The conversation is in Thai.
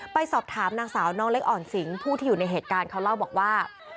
ไปสอบถามนางสาวน้องเล็กอ่อนสิงผู้ที่อยู่ในเหตุการณ์เขาเล่าบอกว่า